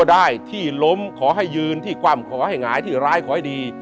ได้ที่ล้มขอให้ยืนที่คว่ำขอให้หงายที่ร้ายขอให้ดี